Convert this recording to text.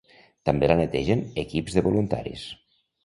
També la netegen equips de voluntaris.